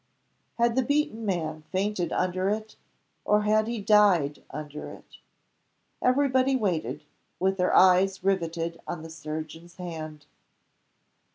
Had the beaten man fainted under it, or had he died under it? Every body waited, with their eyes riveted on the surgeon's hand.